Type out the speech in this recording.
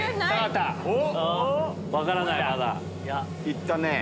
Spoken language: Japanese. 行ったね。